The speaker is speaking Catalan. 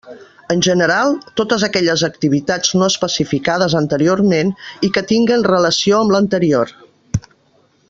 En general, totes aquelles activitats no especificades anteriorment i que tinguen relació amb l'anterior.